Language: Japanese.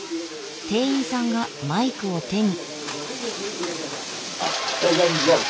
店員さんがマイクを手に。